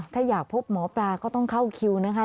ถ้าอยากพบหมอปลาก็ต้องเข้าคิวนะคะ